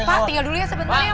pasti tinggal dulu ya sebentar ya